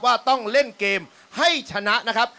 ว่าต้องเล่นเกมให้ชนะนะครับ